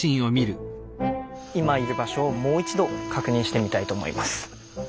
今いる場所をもう一度確認してみたいと思います。